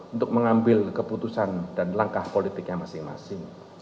untuk mengambil keputusan dan langkah politiknya masing masing